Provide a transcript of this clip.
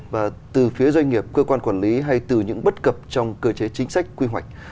và từ phía doanh nghiệp cơ quan quản lý hay từ những bất cập trong cơ chế chính sách quy hoạch